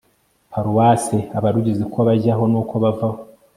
paruwasi abarugize uko bajyaho n uko bavaho